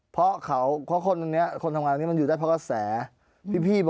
เพราะเขาเพราะคนอันเนี้ย